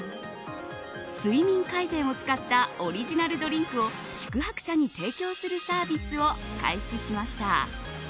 睡眠改善を使ったオリジナルドリンクを宿泊者に提供するサービスを開始しました。